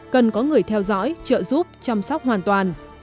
cần có người theo dõi trợ giúp chăm sóc hoàn toàn